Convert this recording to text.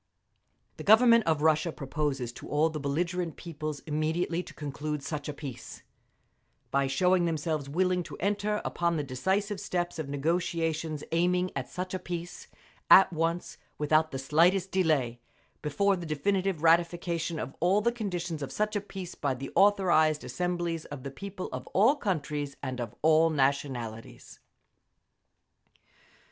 The Government of Russia Proposes to all the belligerent peoples immediately to conclude such a peace, by showing themselves willing to enter upon the decisive steps of negotiations aiming at such a peace, at once, without the slightest delay, before the definitive ratification of all the conditions of such a peace by the authorised assemblies of the people of all countries and of all nationalities.